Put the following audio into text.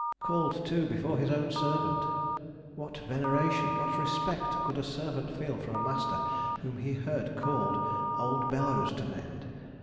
Called, too, before his own servant. What veneration, what respect, could a servant feel for a master whom he heard called 'Old bellows to mend'?